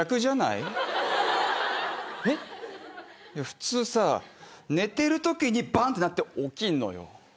普通さ寝てるときにバンッてなって起きんのよ。